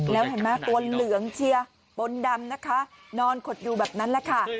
แล้วเห็นไหมตัวเหลืองเชียร์บนดำนะคะนอนขดอยู่แบบนั้นแหละค่ะ